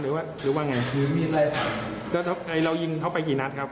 แล้วเรายิงเขาไปกี่นัดครับ